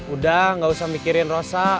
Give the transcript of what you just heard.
udah gak usah mikirin rasa